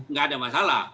nggak ada masalah